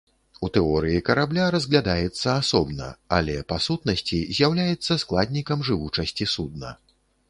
У тэорыі карабля разглядаецца асобна, але па сутнасці з'яўляецца складнікам жывучасці судна.